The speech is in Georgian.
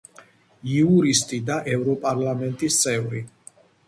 იურისტი და ევროპარლამენტის წევრი.